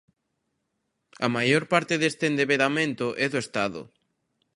A maior parte deste endebedamento é do Estado.